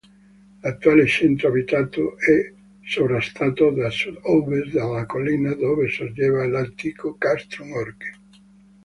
L'attuale centro abitato è sovrastato da sud-ovest dalla collina dove sorgeva l'antico "castrum Orche".